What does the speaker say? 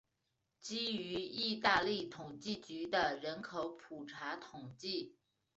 基于意大利统计局的人口普查统计。